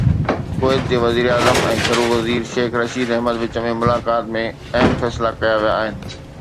ڪويت جي وزيراعظم ۽ گهرو وزير شيخ رشيد احمد وچ ۾ ملاقات ۾ اهم فيصلا ڪيا ويا آهن